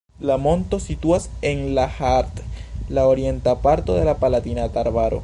La monto situas en la Haardt, la orienta parto de la Palatinata arbaro.